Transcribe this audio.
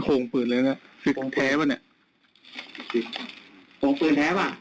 คงปืนเลยฟิกแท้กะเนี่ย